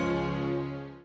kangen sama aku